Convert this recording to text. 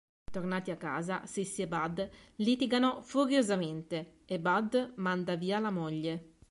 Tornati a casa Sissy e Bud litigano furiosamente e Bud manda via la moglie.